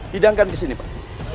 hidangkan kesini pak